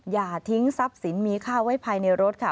อย่าทิ้งทรัพย์สินมีค่าไว้ภายในรถค่ะ